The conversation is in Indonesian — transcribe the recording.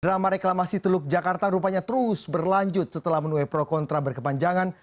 drama reklamasi teluk jakarta rupanya terus berlanjut setelah menuai pro kontra berkepanjangan